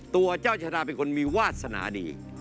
ตัวเจ้าชาดาเป็นคนมีวาสนาดี